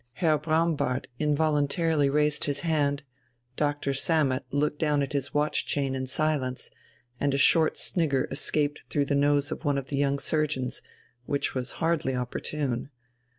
Herr Braunbart involuntarily raised his hand, Doctor Sammet looked down at his watch chain in silence, and a short snigger escaped through the nose of one of the young surgeons, which was hardly opportune.